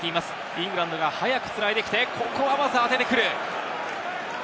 イングランドが早く繋いできてここはまず当ててくる。